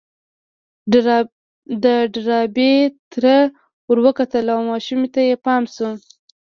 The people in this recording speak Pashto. د ډاربي تره ور وکتل او ماشومې ته يې پام شو.